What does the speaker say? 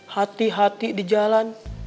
hati hati di jalan